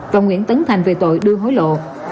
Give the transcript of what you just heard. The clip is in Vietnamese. và nguyễn tấn thành về tội đưa hối lộ